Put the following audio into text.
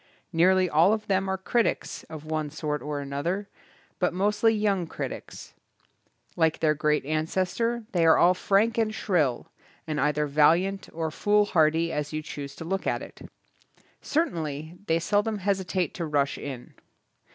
Nearly all of them are critics of one sort or another, but mostly young critics. Like their great an cestor they are all frank and shrill, and either valiant or foolhardy as you choose to look at it. Certainly they seldom hesitate to rush in.